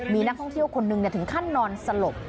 มีนักท่องเที่ยวคนหนึ่งถึงขั้นนอนสลบ